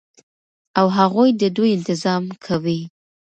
او هغوى ددوى انتظام كوي